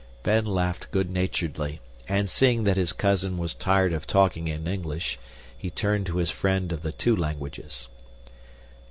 Ben laughed good naturedly, and seeing that his cousin was tired of talking in English, he turned to his friend of the two languages.